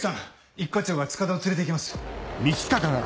一課長が塚田を連れて行きます。